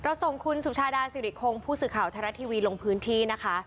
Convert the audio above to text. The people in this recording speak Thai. ส่งคุณสุชาดาสิริคงผู้สื่อข่าวไทยรัฐทีวีลงพื้นที่นะคะ